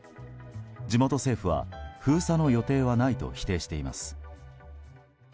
地元政府は、封鎖の予定はないと否定しています。